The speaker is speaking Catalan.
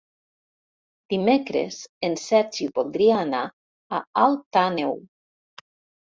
Dimecres en Sergi voldria anar a Alt Àneu.